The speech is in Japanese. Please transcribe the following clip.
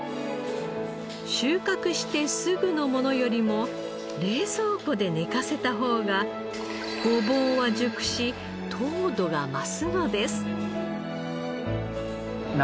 収穫してすぐのものよりも冷蔵庫で寝かせた方がごぼうは熟し糖度が増すのです。